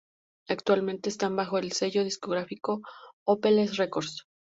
Actualmente están bajo el sello discográfico Hopeless Records.